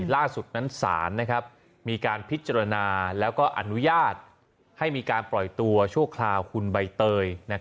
ล่าสุดนั้นศาลมีการพิจารณาแล้วก็อนุญาตให้มีการปล่อยตัวชั่วคราวคุณใบเตย